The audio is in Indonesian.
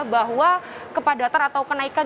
bahwa kepadatan atau kenaikan